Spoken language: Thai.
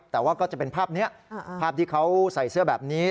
แต่ว่าก็จะเป็นภาพนี้ภาพที่เขาใส่เสื้อแบบนี้